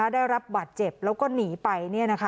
ได้รับบาดเจ็บแล้วก็หนีไป